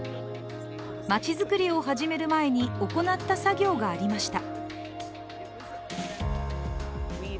町作りを始める前に行った作業がありました。